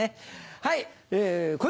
はい。